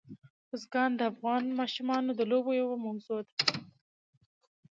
بزګان د افغان ماشومانو د لوبو یوه موضوع ده.